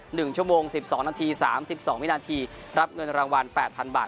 หนึ่งชั่วโมงสิบสองนาทีสามสิบสองวินาทีรับเงินรางวัลแปดพันบาท